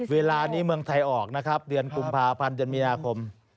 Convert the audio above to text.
เวลานี้เมืองไทยออกนะครับเดือนกุมภาพันธ์เดือนมีนาคม